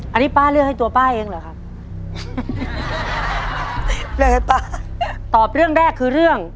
อันนี้ป้าเลือกให้ตัวป้าเองเหรอครับเลือกให้ป้าตอบเรื่องแรกคือเรื่อง